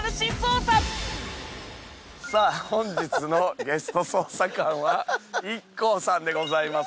本日のゲスト捜査官はＩＫＫＯさんでございます。